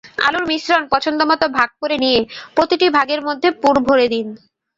আলুর মিশ্রণ পছন্দমতো ভাগ করে নিয়ে প্রতিটি ভাগের মধ্যে পুর ভরে দিন।